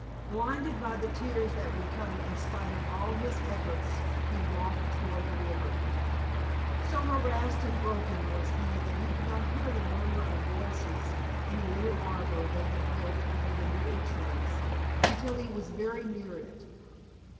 Blinded by the tears that would come in spite of all his efforts he walked toward the river. So harassed and broken was he that he did not hear the murmur of voices in the little arbor they had built under the willow trees until he was very near it.